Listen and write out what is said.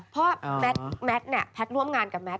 เพราะแมทแฮปร่วมงานกับแมท